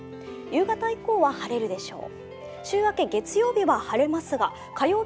夕方以降は晴れるでしょう。